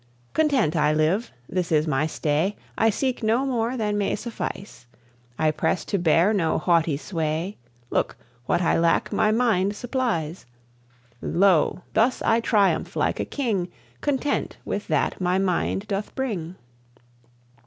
Content I live; this is my stay, I seek no more than may suffice. I press to bear no haughty sway; Look, what I lack my mind supplies. Lo, thus I triumph like a king, Content with that my mind doth bring.